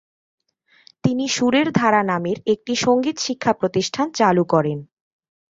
তিনি সুরের ধারা নামের একটি সংগীত শিক্ষা প্রতিষ্ঠান চালু করেন।